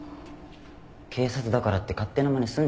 警察だからって勝手なまねすんじゃねえよ。